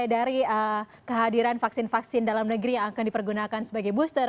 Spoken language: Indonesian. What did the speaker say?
dari kehadiran vaksin vaksin dalam negeri yang akan dipergunakan sebagai booster